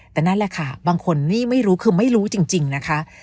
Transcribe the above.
แต่นั่นแหละค่ะบางคนนี่ไม่รู้คือไม่รู้จริงนะคะ